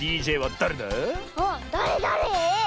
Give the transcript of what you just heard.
あっだれだれ？